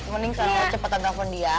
mending sekarang lo cepetan telfon boy